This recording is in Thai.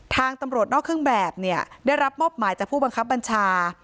ทางตำรวจนอกเครื่องแบบเนี่ยได้รับมอบหมายจากผู้บังคับบัญชา